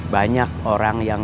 banyak orang yang